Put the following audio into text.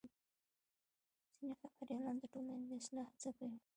ځینې خبریالان د ټولنې د اصلاح هڅه کوي.